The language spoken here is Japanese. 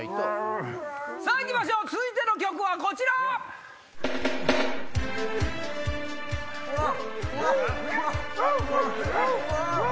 さぁ行きましょう続いての曲はこちら！・ワン？